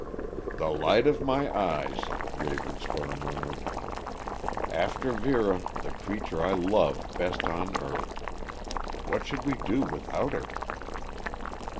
"The light of my eyes," Ravenspur murmured. "After Vera, the creature I love best on earth. What should we do without her?"